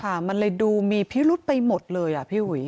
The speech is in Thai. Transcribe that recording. ค่ะมันเลยดูมีพิรุดไปหมดเลยพี่หวย